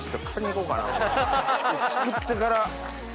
作ってから。